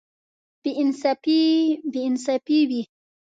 بې انصافي وي.